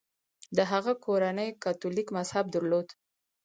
د هغه کورنۍ کاتولیک مذهب درلود.